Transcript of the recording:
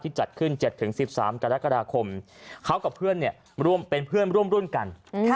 จัดขึ้น๗๑๓กรกฎาคมเขากับเพื่อนร่วมเป็นเพื่อนร่วมรุ่นกัน